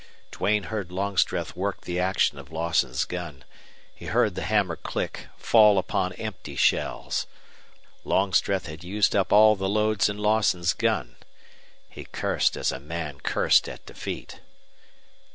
Duane heard Longstreth work the action of Lawson's gun. He heard the hammer click, fall upon empty shells. Longstreth had used up all the loads in Lawson's gun. He cursed as a man cursed at defeat.